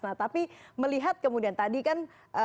nah tapi melihat kemudian tadi kan